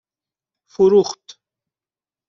فروخت